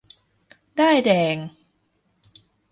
ด้ายแดง ?